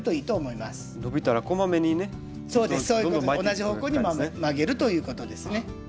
同じ方向に曲げるということですね。